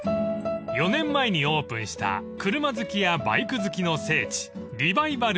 ［４年前にオープンした車好きやバイク好きの聖地